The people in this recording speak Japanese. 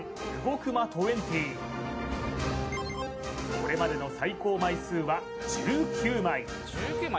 これまでの最高枚数は１９枚